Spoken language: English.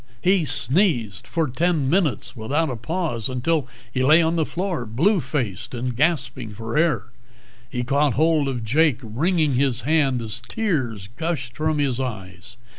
He sneezed for ten minutes without a pause, until he lay on the floor blue faced and gasping for air. He caught hold of Jake, wringing his hand as tears gushed from his eyes.